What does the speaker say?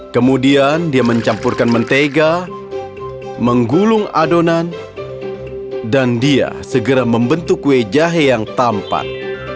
kemudian dia mencampurkan mentega menggulung adonan dan dia segera membentuk kue jahe yang tampan